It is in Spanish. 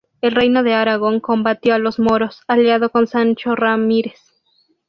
En el Reino de Aragón combatió a los Moros, aliado con Sancho Ramírez.